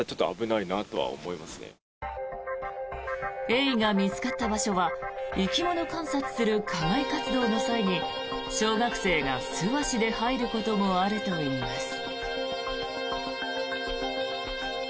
エイが見つかった場所は生き物観察する課外活動の際に小学生が素足で入ることもあるといいます。